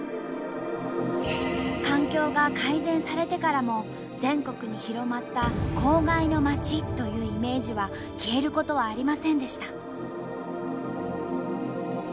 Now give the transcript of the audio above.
環境が改善されてからも全国に広まった「公害の街」というイメージは消えることはありませんでした。